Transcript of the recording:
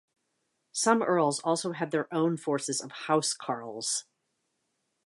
Some earls also had their own forces of housecarls.